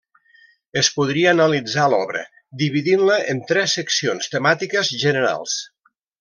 Es podria analitzar l'obra dividint-la en tres seccions temàtiques generals.